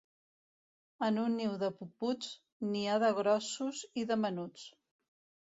En un niu de puputs, n'hi ha de grossos i de menuts.